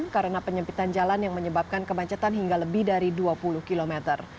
karena penyempitan jalan yang menyebabkan kemacetan hingga lebih dari dua puluh kilometer